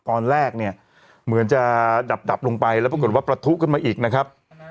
ตอนแรกเนี่ยเหมือนจะดับลงไปแล้วปรากฏว่าประทุขึ้นมาอีกนะครับ